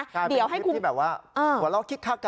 ก็เป็นคลิปที่หัวเล่าฆิกหน้ากัน